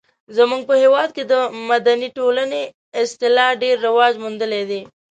زموږ په هېواد کې د مدني ټولنې اصطلاح ډیر رواج موندلی دی.